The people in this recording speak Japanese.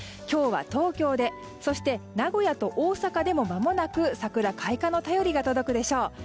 今日は東京でそして名古屋と大阪でもまもなく桜開花の便りが届くでしょう。